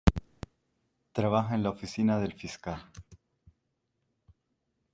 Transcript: Trabajaba en la oficina del fiscal.